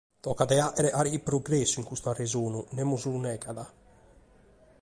Tocat de fàghere carchi progressu, in custu arresonu, nemos lu negat.